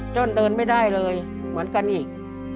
เดินไม่ได้เลยเหมือนกันอีก